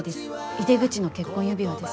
井手口の結婚指輪です。